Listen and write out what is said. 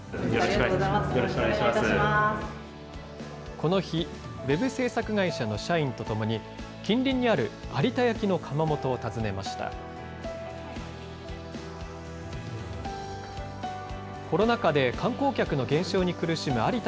この日、ウェブ制作会社の社員とともに、近隣にある有田焼の窯元を訪ねました。